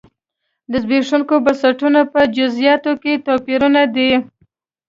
د زبېښونکو بنسټونو په جزییاتو کې توپیرونه دي.